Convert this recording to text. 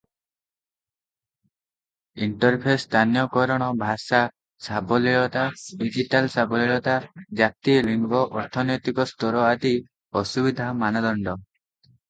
Interface ସ୍ଥାନୀୟକରଣ, ଭାଷା ସାବଲୀଳତା, digital ସାବଲୀଳତା, ଜାତି, ଲିଙ୍ଗ, ଅର୍ଥନୈତିକ ସ୍ତର ଆଦି ଅସୁବିଧା ମାନଦଣ୍ଡ ।